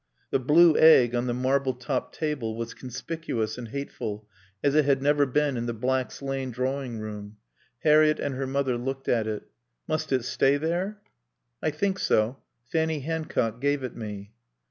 The blue egg on the marble topped table was conspicuous and hateful as it had never been in the Black's Lane drawing room. Harriett and her mother looked at it. "Must it stay there?" "I think so. Fanny Hancock gave it me."